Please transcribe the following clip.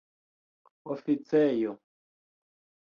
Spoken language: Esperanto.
oficejo